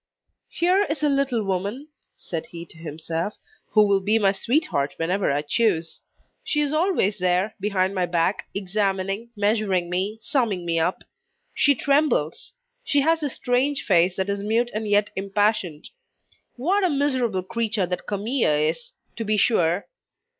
"Here is a little woman," said he to himself, "who will be my sweetheart whenever I choose. She is always there, behind my back, examining, measuring me, summing me up. She trembles. She has a strange face that is mute and yet impassioned. What a miserable creature that Camille is, to be sure."